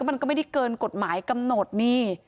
มันก็ไม่ได้เกินกฎหมายกำหนดนี่